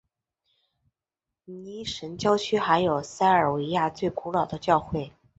尼什郊区还有塞尔维亚最古老的教会。